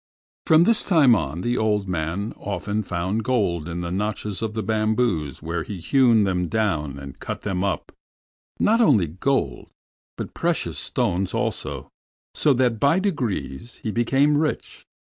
From this time on, the old man often found gold in the notches of the bamboos when he hewed them down and cut them up; not only gold, but precious stones also, so that by degrees he became rich.